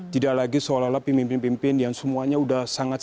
tidak lagi seolah olah pemimpin pemimpin yang semuanya sudah sangat